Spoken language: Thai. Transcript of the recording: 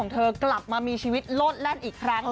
เธอกลับมามีชีวิตโลดแล่นอีกครั้ง